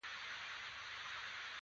د خیر کار خدای تعالی پر مخ وړي.